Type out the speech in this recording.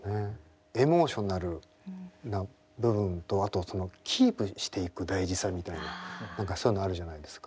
エモーショナルな部分とあとそのキープしていく大事さみたいな何かそういうのあるじゃないですか。